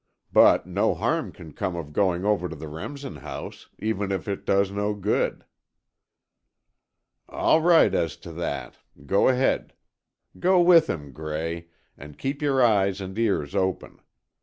But no harm can come of going over to the Remsen house, even if it does no good." "All right as to that. Go ahead. Go with him, Gray, and keep your eyes and ears open.